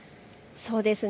そうですね。